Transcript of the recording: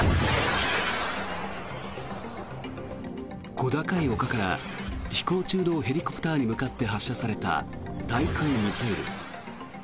小高い丘から飛行中のヘリコプターに向かって発射された対空ミサイル。